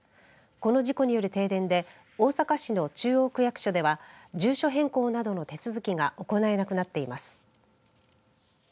この事故による停電で大阪市の中央区役所では住所変更などの手続きが行えなくなっています。